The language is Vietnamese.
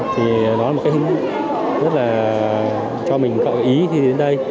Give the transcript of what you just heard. thì đó là một cái rất là cho mình gợi ý khi đến đây